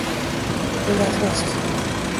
Hoe let wolst?